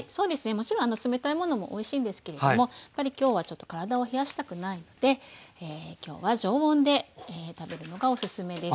もちろん冷たいものもおいしいんですけれどもやっぱり今日はちょっと体を冷やしたくないので今日は常温で食べるのがおすすめです。